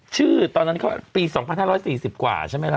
ตอนนั้นเขาปี๒๕๔๐กว่าใช่ไหมล่ะ